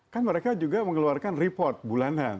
kan mereka juga mengeluarkan report bulanan